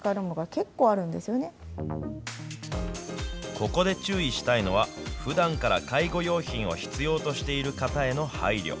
ここで注意したいのは、ふだんから介護用品を必要としている方への配慮。